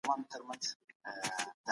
ټولنیز نظم د قانون په تطبیق راځي.